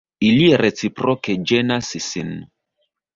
Ili reciproke ĝenas sin.